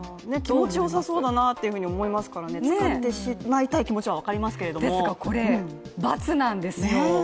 気持ちよさそうだなというふうに思いますから使ってしまいたい気持ちは分かりますけれどもですがこれ、×なんですよ。